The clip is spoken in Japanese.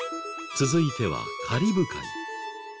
続いてはカリブ海。